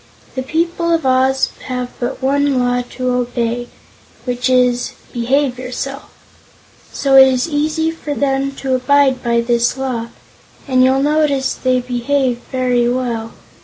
The people of Oz have but one law to obey, which is: 'Behave Yourself,' so it is easy for them to abide by this Law, and you'll notice they behave very well.